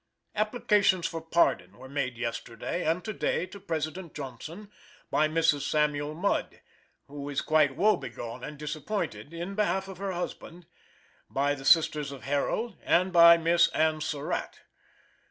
Applications for pardon were made yesterday and to day to President Johnson, by Mrs. Samuel Mudd, who is quite woe begone and disappointed, in behalf of her husband, by the sisters of Harold, and by Miss Ann Surratt.